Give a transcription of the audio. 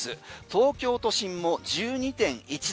東京都心も１２．１度。